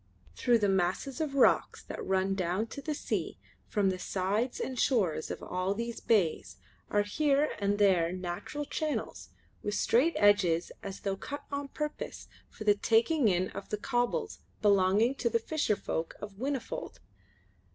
Through the masses of rocks that run down to the sea from the sides and shores of all these bays are here and there natural channels with straight edges as though cut on purpose for the taking in of the cobbles belonging to the fisher folk of Whinnyfold.